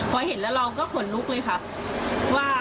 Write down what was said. พอเห็นแล้วเราก็ขนลุกเลยค่ะว่า